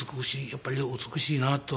やっぱりお美しいなと。